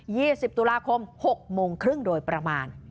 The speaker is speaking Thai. สิบตุลาคมหกโมงครึ่งโดยประมาณ